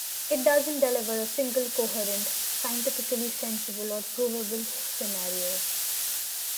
It doesn't deliver a single, coherent, scientifically sensible or provable scenario.